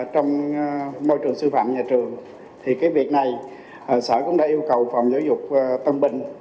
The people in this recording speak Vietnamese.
trong môi trường sư phạm nhà trường thì cái việc này sở cũng đã yêu cầu phòng giáo dục tân bình